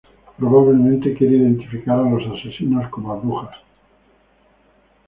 Probablemente quiere identificar a los asesinos como a brujas.